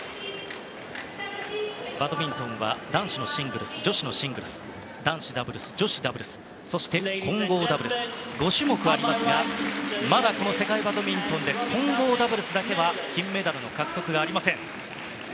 バドミントンは男子のシングルス女子のシングルス男子ダブルス、女子ダブルスそして、混合ダブルス５種目ありますがまだ、この世界バドミントンで混合ダブルスだけは金メダルの獲得がありません。